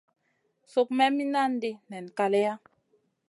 Suk me minandi nen kaleya.